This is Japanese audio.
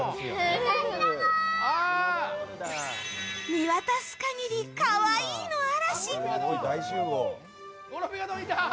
見渡す限り、可愛いの嵐！